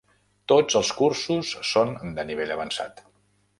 Tots els cursos són de nivell avançat.